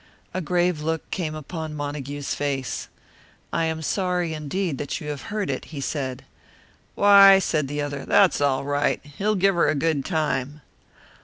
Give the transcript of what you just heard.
A grave look came upon Montague's face. "I am sorry, indeed, that you have heard it," he said. "Why," said the other, "that's all right. He will give her a good time."